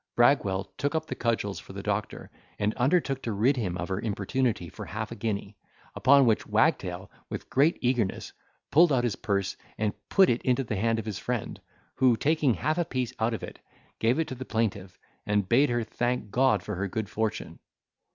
Bragwell took up the cudgels for the doctor, and undertook to rid him of her importunity for half a guinea; upon which Wagtail, with great eagerness, pulled out his purse, and put it into the hand of his friend, who, taking half a piece out of it, gave it to the plaintiff, and bade her thank God for her good fortune.